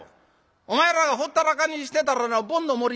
お前らがほったらかにしてたらなボンの守り